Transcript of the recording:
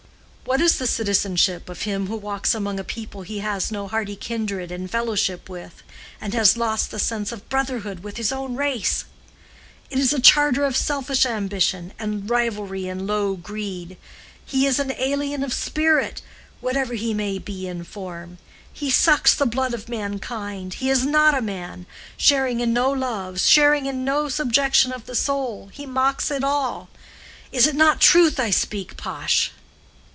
What is the citizenship of him who walks among a people he has no hardy kindred and fellowship with, and has lost the sense of brotherhood with his own race? It is a charter of selfish ambition and rivalry in low greed. He is an alien of spirit, whatever he may be in form; he sucks the blood of mankind, he is not a man, sharing in no loves, sharing in no subjection of the soul, he mocks it all. Is it not truth I speak, Pash?"